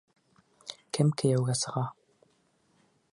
Кем кейәүгә сыға?